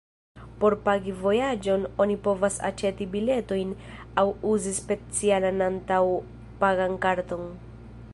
Por pagi vojaĝon oni povas aĉeti biletojn aŭ uzi specialan antaŭ-pagan karton.